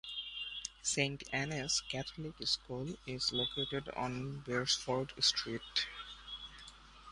Saint Annes Catholic School is located on Beresford Street.